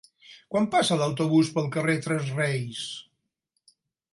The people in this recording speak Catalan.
Quan passa l'autobús pel carrer Tres Reis?